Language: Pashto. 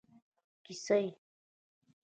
کیسۍ